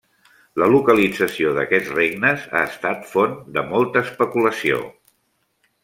La localització d'aquests regnes ha estat font de molta especulació.